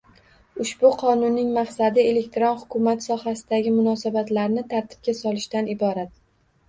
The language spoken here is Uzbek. Ushbu Qonunning maqsadi elektron hukumat sohasidagi munosabatlarni tartibga solishdan iborat.